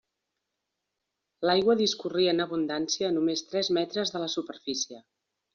L'aigua discorria en abundància a només tres metres de la superfície.